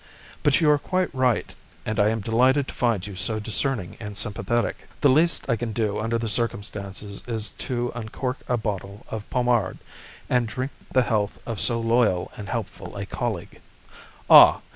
But you are quite right, and I am delighted to find you so discerning and sympathetic. The least I can do under the circumstances is to uncork a bottle of Pommard, and drink the health of so loyal and helpful a colleague. Ah!